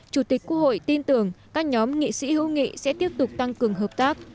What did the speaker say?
chủ tịch quốc hội tin tưởng các nhóm nghị sĩ hữu nghị sẽ tiếp tục tăng cường hợp tác